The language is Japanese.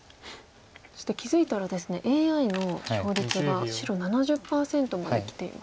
そして気付いたらですねＡＩの勝率が白７０％まできています。